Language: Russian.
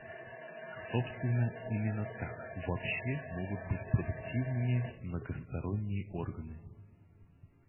Собственно, именно так вообще могут быть продуктивными многосторонние органы.